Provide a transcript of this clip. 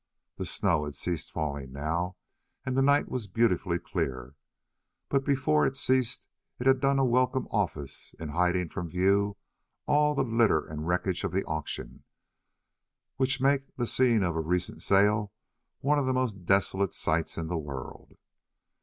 The snow had ceased falling now and the night was beautifully clear, but before it ceased it had done a welcome office in hiding from view all the litter and wreckage of the auction, which make the scene of a recent sale one of the most desolate sights in the world.